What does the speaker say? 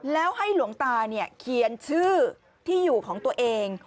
แล้วให้หลวงตาเขียนชื่อที่อยู่ของตัวเอง